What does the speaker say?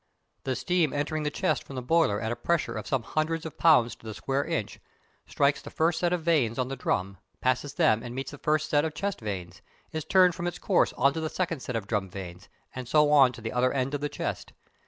The steam entering the chest from the boiler at a pressure of some hundreds of pounds to the square inch strikes the first set of vanes on the drum, passes them and meets the first set of chest vanes, is turned from its course on to the second set of drum vanes, and so on to the other end of the chest.